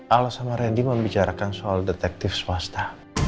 aloh sama reddy membicarakan soal detektif swasta